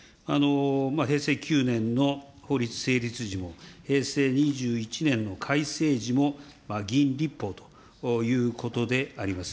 平成９年の法律成立時も、平成２１年の改正時も、議員立法ということであります。